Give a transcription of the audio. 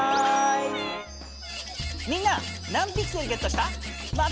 みんな何ピクセルゲットした？